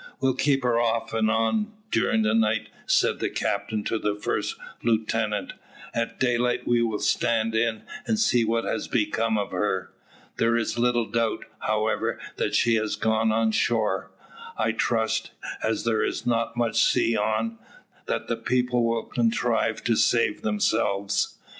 "We'll keep her off and on during the night," said the captain to the first lieutenant. "At daylight we will stand in, and see what has become of her. There is little doubt, however, that she has gone on shore. I trust, as there is not much sea on, that the people will contrive to save themselves."